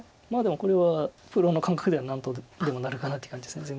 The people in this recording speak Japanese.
まあでもこれはプロの感覚では何とでもなるかなっていう感じです。